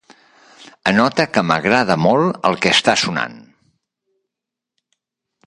Anota que m'agrada molt el que està sonant.